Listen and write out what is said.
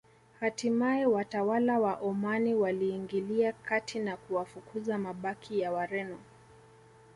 Hatimae watawala wa Omani waliingilia kati na kuwafukuza mabaki ya Wareno